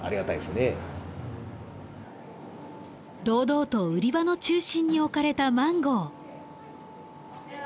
堂々と売り場の中心に置かれたマンゴー。